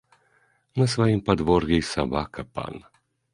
На сваім падвор'і і сабака ‒ пан